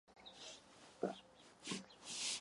Evropa roh přidržuje svou levou rukou.